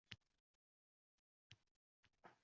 Y undoshi bilan tugagan va baʼzi soʻzlarga ham -si qoʻshiladi